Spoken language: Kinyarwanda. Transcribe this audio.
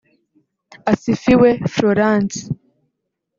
Asifiwe Florence